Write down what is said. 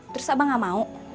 terus abang gak mau